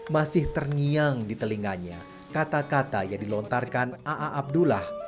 masih terngiang di telinganya kata kata yang dilontarkan aa abdullah